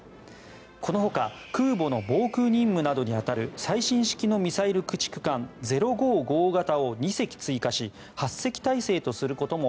この他、空母の防空任務に当たる最新式のミサイル駆逐艦「０５５型」を２隻追加し８隻体制とすることも